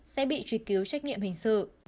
sẽ bị truy cứu trách nhiệm hình sự